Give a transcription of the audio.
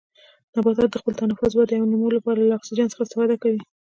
نباتات د خپل تنفس، ودې او نمو لپاره له اکسیجن څخه استفاده کوي.